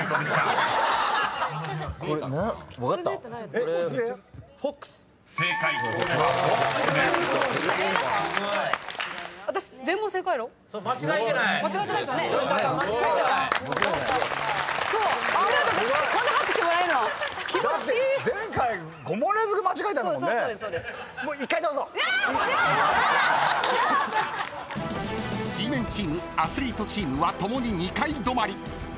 ［Ｇメンチームアスリートチームは共に２階止まり］